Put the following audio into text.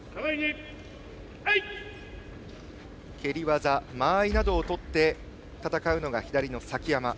蹴り技や間合いなどを取って戦うのが崎山。